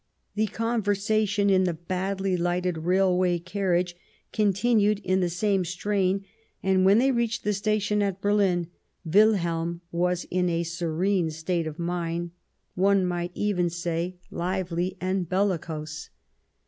The conversation in the badly lighted railway carriage continued in the same strain, and when they reached the station at Berlin, Wilhelm was in a serene state of mind, one might even say, lively and bellicose.